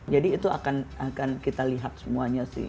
jadi itu akan kita lihat semuanya sih